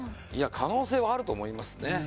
可能性はあると思いますね。